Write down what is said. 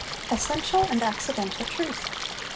Essential and Accidental Truth.